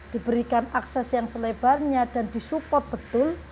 diberikan akses yang selebarnya dan disupport betul